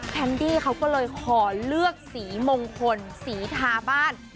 แคนดี้เขาก็เลยขอเลือกสีมงคลสีทาบ้าน